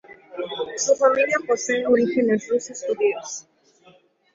Su familia posee orígenes rusos-judíos.